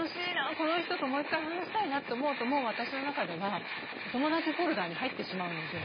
この人ともう１回話したいな」って思うともう私の中では「お友だちフォルダ」に入ってしまうので。